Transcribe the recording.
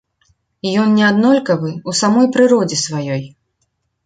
Ён не аднолькавы ў самой прыродзе сваёй.